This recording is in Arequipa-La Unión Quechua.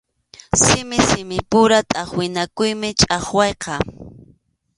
Simi simipura tʼaqwinakuymi chʼaqwayqa.